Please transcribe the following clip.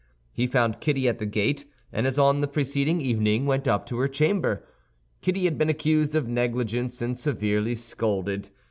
He found Kitty at the gate, and, as on the preceding evening, went up to her chamber. Kitty had been accused of negligence and severely scolded.